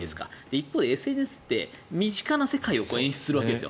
一方、ＳＮＳって身近な世界を演出するんです。